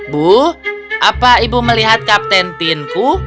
bu apa ibu melihat kapten timku